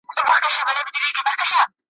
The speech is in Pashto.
هغه بله یې مرګی له خدایه غواړي `